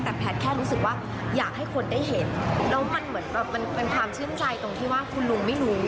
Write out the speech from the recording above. แต่แพทย์แค่รู้สึกว่าอยากให้คนได้เห็นแล้วมันเหมือนแบบมันเป็นความชื่นใจตรงที่ว่าคุณลุงไม่รู้